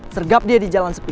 sergap dia di jalan sepi